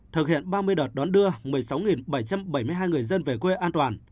thực hiện ba mươi đợt đón đưa một mươi sáu bảy trăm bảy mươi hai người dân về quê an toàn